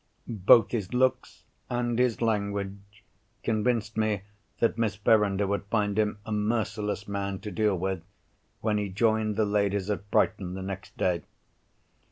Both his looks and his language convinced me that Miss Verinder would find him a merciless man to deal with, when he joined the ladies at Brighton the next day.